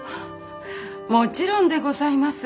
もちろんでございます。